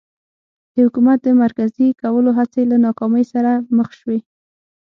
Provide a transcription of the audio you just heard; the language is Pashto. د حکومت د مرکزي کولو هڅې له ناکامۍ سره مخ شوې.